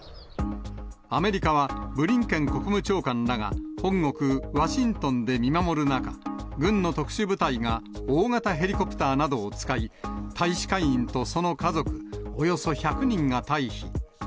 アメリカはブリンケン国務長官らが、本国ワシントンで見守る中、軍の特殊部隊が大型ヘリコプターなどを使い、大使館員とその家族、およそ１００人が退避。